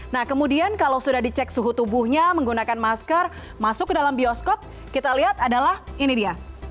nah kemudian kalau sudah dicek suhu tubuhnya menggunakan masker masuk ke dalam bioskop kita lihat adalah ini dia